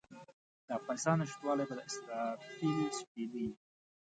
د افغانستان نشتوالی به د اسرافیل شپېلۍ وي.